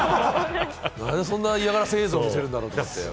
なんでそんな嫌がらせ映像を見せるんだって。